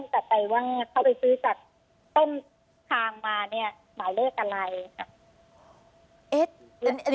ก็ต้องจัดไปว่าเขาไปซื้อจากต้นทางมาหมายเลขอะไร